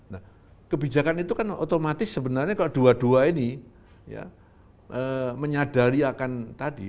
nah kebijakan itu kan otomatis sebenarnya kalau dua dua ini ya menyadari akan tadi